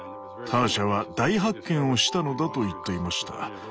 ターシャは大発見をしたのだと言っていました。